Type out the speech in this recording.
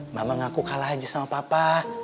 mama ngaku kalah aja sama papa